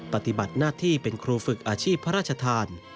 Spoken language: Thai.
ปฏิบัติหน้าที่เป็นครูฝึกอาชีพพระราชทาน